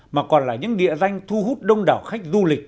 mà còn là những địa danh thu hút đông đảo khách du lịch